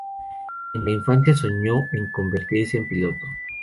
En la infancia soñó en convertirse en piloto.